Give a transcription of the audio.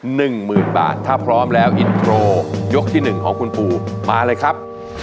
๑หมื่นบาทถ้าพร้อมแล้วอินโปรยกที่๑ของคุณปู่มาเลยครับ